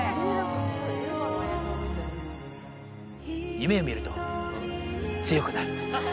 夢をみると強くなる。